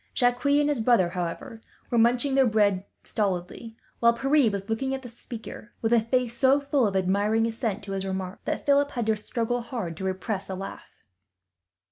Jacques and his brother, however, were munching their bread stolidly; while Pierre was looking at the speaker, with a face so full of admiring assent to his remark, that Philip had to struggle hard to repress a laugh.